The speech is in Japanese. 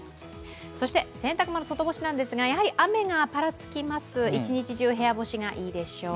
そして洗濯物、外干しなんですがやはり雨がぱらつきます、一日中部屋干しがいいでしょう。